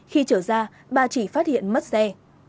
khi trở ra bà chỉ phát hiện mất xe